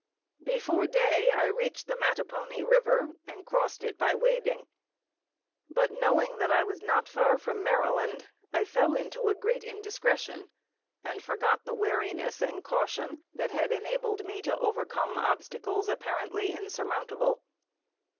Before day I reached the Matapony river, and crossed it by wading; but knowing that I was not far from Maryland, I fell into a great indiscretion, and forgot the wariness and caution that had enabled me to overcome obstacles apparently insurmountable.